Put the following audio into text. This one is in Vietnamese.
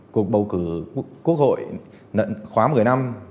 cuộc bầu cử quốc hội khóa một mươi năm